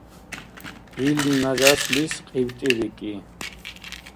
Ил нажаслис КьибтӀи бикӀи.